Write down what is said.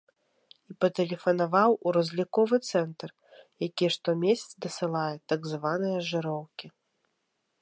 І патэлефанаваў у разліковы цэнтр, які штомесяц дасылае так званыя жыроўкі.